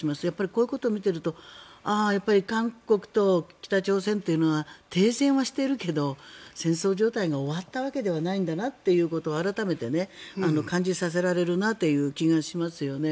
こういうことを見ているとやっぱり韓国と北朝鮮というのは停戦はしているけど戦争状態が終わったわけではないんだということを改めて感じさせられるなという気がしますよね。